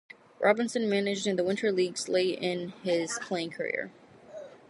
Robinson managed in the winter leagues late in his playing career.